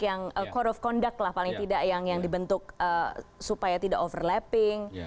yang core of conduct lah paling tidak yang dibentuk supaya tidak overlapping